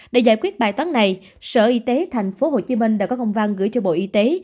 để giải quyết bài toán này sở y tế thành phố hồ chí minh đã có công văn gửi cho bộ y tế